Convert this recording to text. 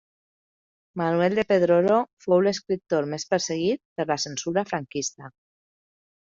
Manuel de Pedrolo fou l'escriptor més perseguit per la censura franquista.